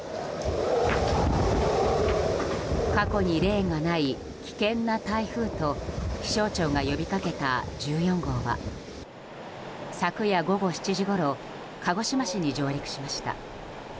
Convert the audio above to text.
過去に例がない危険な台風と気象庁が呼びかけた１４号は昨夜午後７時ごろ鹿児島市に上陸しました。